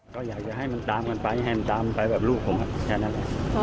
ก็อยากจะให้มันตามกันไปแฮนดตามไปแบบลูกผมแค่นั้นแหละ